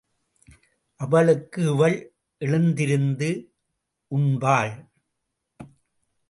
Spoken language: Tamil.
அவளுக்கு இவள் எழுந்திருந்து உண்பாள்.